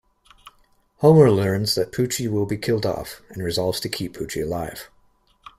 Homer learns that Poochie will be killed off, and resolves to keep Poochie alive.